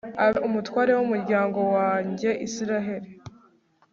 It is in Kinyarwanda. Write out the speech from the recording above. abe umutware w'umuryango wanjye israheli